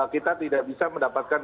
kita tidak bisa mendapatkan